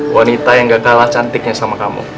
wanita yang gak kalah cantiknya sama kamu